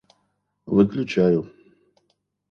Выключаю